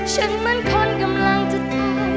ฉันเหมือนคนกำลังจะตาย